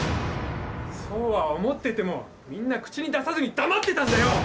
そうは思っててもみんな口に出さずに黙ってたんだよ！